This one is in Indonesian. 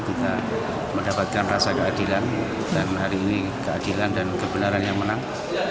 kita mendapatkan rasa keadilan dan hari ini keadilan dan kebenaran yang menang